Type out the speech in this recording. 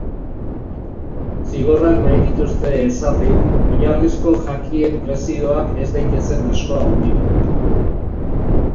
Zigorrak nahi dituzte ezarri, oinarrizko jakien prezioak ez daitezen asko handitu.